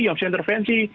yang bisa intervensi